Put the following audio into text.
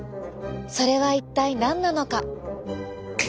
それは一体何なのか？